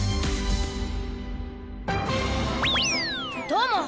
どうも。